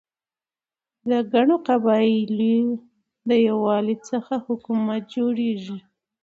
د ګڼو قبایلو د یووالي څخه حکومت جوړيږي.